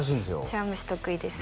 茶碗蒸し得意です